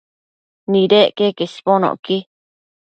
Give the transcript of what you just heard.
Nidec queque isbonocqui